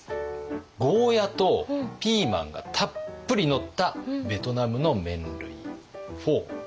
ゴーヤとピーマンがたっぷりのったベトナムの麺類フォーであります。